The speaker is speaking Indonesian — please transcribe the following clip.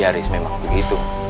ya riz memang begitu